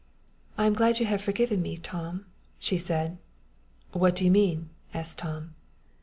"I am glad you have forgiven me, Tom," she said. "What do you mean?" asked Tom.